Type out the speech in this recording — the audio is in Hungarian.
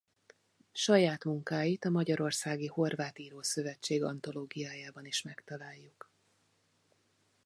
Saját munkáit a Magyarországi Horvát Írószövetség antológiájában is megtaláljuk.